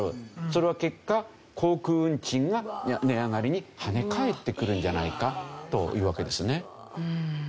それは結果航空運賃が値上がりに跳ね返ってくるんじゃないかというわけですよね。